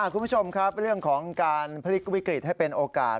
คุณผู้ชมครับเรื่องของการพลิกวิกฤตให้เป็นโอกาส